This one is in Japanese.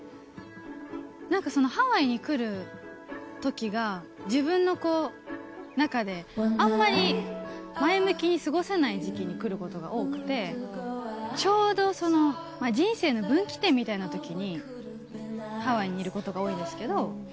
なんかそのハワイに来るときが、自分のこう、中で、あんまり前向きに過ごせない時期に来ることが多くて、ちょうどその人生の分岐点みたいなときにハワイにいることが多いんですけど。